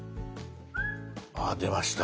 あ出ました。